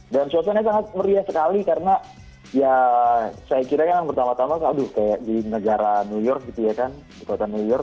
dan suasananya sangat meriah sekali karena ya saya kira kan pertama tama di negara new york gitu ya kan di kota new york